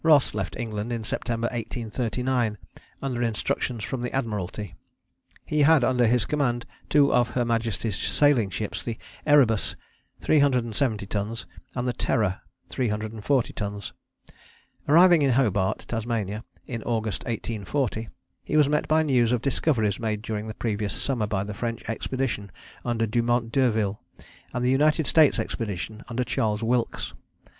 Ross left England in September 1839 under instructions from the Admiralty. He had under his command two of Her Majesty's sailing ships, the Erebus, 370 tons, and the Terror, 340 tons. Arriving in Hobart, Tasmania, in August 1840, he was met by news of discoveries made during the previous summer by the French Expedition under Dumont D'Urville and the United States Expedition under Charles Wilkes.